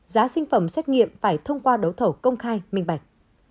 giá sinh phẩm xét nghiệm phải thông qua đấu thầu công khai minh bạch